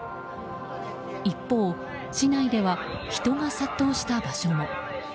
一方、市内では人が殺到した場所も。